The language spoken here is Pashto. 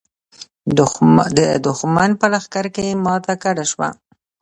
د دښمن په لښکر کې ماته ګډه شوه.